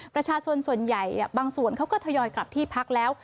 ประชาชนส่วนใหญ่บางส่วนเขาก็ทยอยกลับที่พักแล้ว